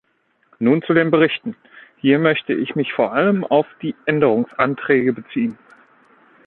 Nun zu den Berichten; hier möchte ich mich vor allem auf die Änderungsanträge beziehen.